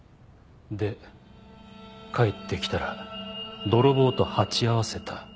で帰ってきたら泥棒と鉢合わせた。